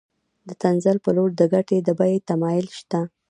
د تنزل په لور د ګټې د بیې تمایل شته